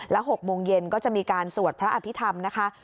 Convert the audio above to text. ๖โมงเย็นก็จะมีการสวดพระอภิษฐรรมนะคะ